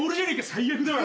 最悪だわ」